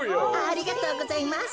ありがとうございます。